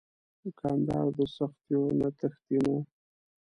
دوکاندار د سختیو نه تښتي نه.